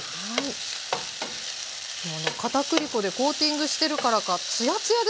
片栗粉でコーティングしてるからかツヤツヤですね。